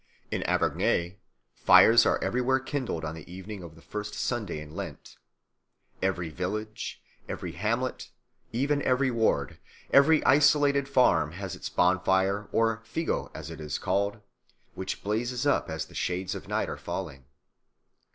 In Auvergne fires are everywhere kindled on the evening of the first Sunday in Lent. Every village, every hamlet, even every ward, every isolated farm has its bonfire or figo, as it is called, which blazes up as the shades of night are falling.